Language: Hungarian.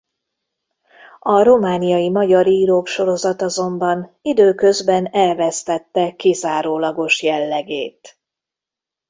A Romániai Magyar Írók sorozat azonban időközben elvesztette kizárólagos jellegét.